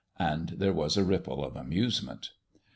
and there was a ripple of amusement.